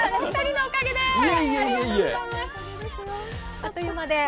あっという間で。